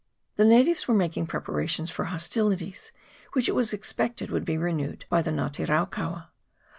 The natives were making preparations for hostilities, which it was expected would be renewed by the Nga te raukaua.